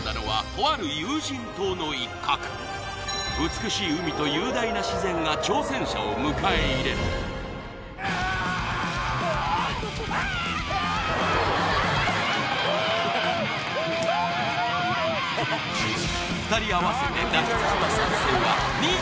美しい海と雄大な自然が挑戦者を迎え入れるフー！